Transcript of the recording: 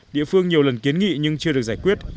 địa phương nhiều lần kiến nghị nhưng chưa được giải quyết